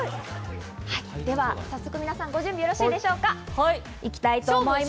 では早速、皆さんご準備よろしいですか？